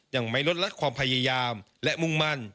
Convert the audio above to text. ยังไม่ลดลักความพยายามและมุ่งมั่น